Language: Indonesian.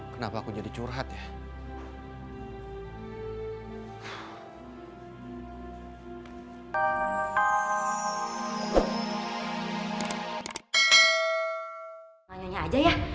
kenapa aku jadi curhat ya